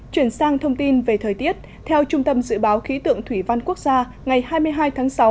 chuyển sang thông tin về thời tiết theo trung tâm dự báo khí tượng thủy văn quốc gia ngày hai mươi hai tháng sáu